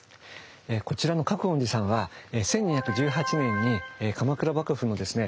こちらの覚園寺さんは１２１８年に鎌倉幕府のですね